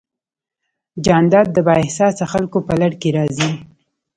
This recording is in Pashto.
جانداد د بااحساسه خلکو په لړ کې راځي.